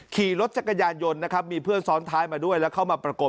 ขี่รถจักรยานยนต์นะครับมีเพื่อนซ้อนท้ายมาด้วยแล้วเข้ามาประกบ